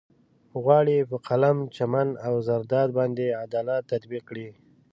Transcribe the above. غواړي په قلم، چمن او زرداد باندې عدالت تطبيق کړي.